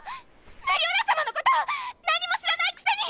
メリオダス様のことなんにも知らないくせに！